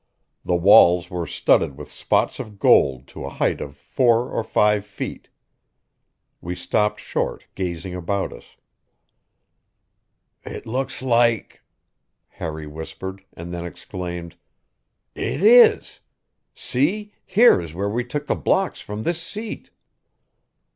The walls were studded with spots of gold to a height of four or five feet. We stopped short, gazing about us. "It looks like " Harry whispered, and then exclaimed: "It is! See, here is where we took the blocks from this seat!"